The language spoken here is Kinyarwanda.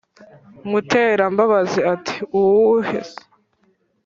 Muterambabazi ati"uwuhe se